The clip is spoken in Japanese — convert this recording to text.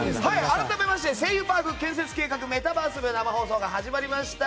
改めまして「声優パーク建設計画メタバース部」の生放送が始まりました。